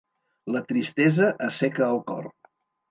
La tristesa asseca el cor.